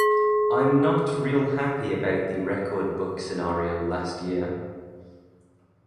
I'm not real happy about the record book scenario last year.